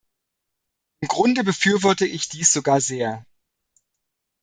Im Grunde befürworte ich dies sogar sehr.